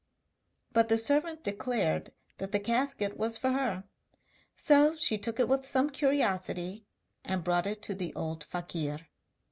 But the servant declared that the casket was for her, so she took it with some curiosity, and brought it to the old fakir.